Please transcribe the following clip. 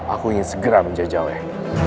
aku ingin segera menjajah